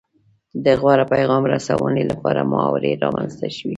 د غوره پیغام رسونې لپاره محاورې رامنځته شوې